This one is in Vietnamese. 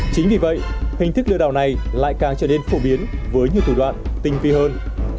chính vì vậy hình thức lừa đảo này lại càng trở nên phổ biến với nhiều thủ đoạn tinh vi hơn